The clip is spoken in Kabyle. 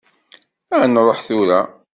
Ad nruḥ tura.